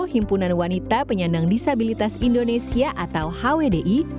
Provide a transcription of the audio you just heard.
himpunan wanita penyandang disabilitas indonesia atau hwdi